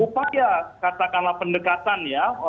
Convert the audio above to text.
upaya katakanlah pendekatan ya